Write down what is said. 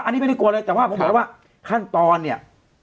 อันนี้ไม่ได้กลัวเลยแต่ว่าผมบอกว่าขั้นตอนเนี่ย